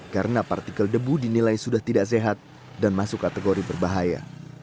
karena partikel debu dinilai sudah tidak sehat dan masuk kategori berbahaya